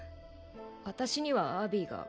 私にはアビーが